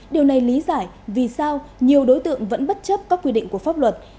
điều này lý giải vì sao nhiều đối tượng vẫn bất chấp các quy định của pháp luật